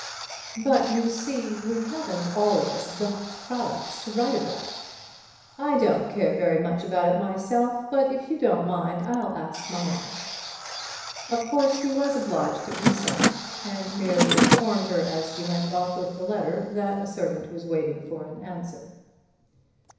"But you see we haven't all of us got products to write about. I don't care very much about it myself; but if you don't mind I'll ask mamma." Of course he was obliged to consent, and merely informed her as she went off with the letter that a servant was waiting for an answer.